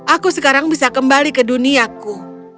aku sekarang bisa kembali ke duniaku